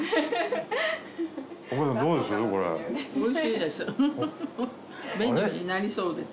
おいしいです。